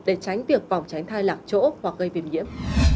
để tránh việc phòng tránh thai lạc chỗ hoặc gây viêm nhiễm